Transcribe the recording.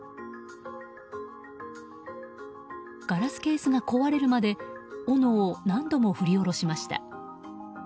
ガラスケースが壊れるまで斧を何度も振り下ろしました。